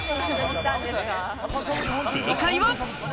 正解は。